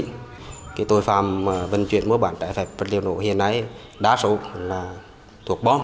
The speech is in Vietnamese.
cái tội phạm vận chuyển mua bán đá trai phép vật liệu nổ hiện nay đa số là thuốc bom